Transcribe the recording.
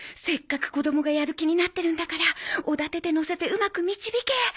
せっかく子どもがやる気になってるんだからおだててのせてうまく導け！